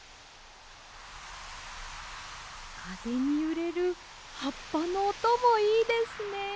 かぜにゆれるはっぱのおともいいですね。